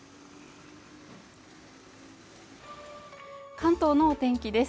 関東のお天気です